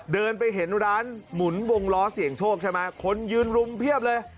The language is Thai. เดินไปเห็นร้านหมุนวงล้อเสียงโชคใช่ไหมคนยืนรุมเพียบเลย